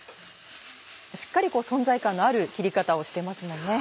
しっかり存在感のある切り方をしてますもんね。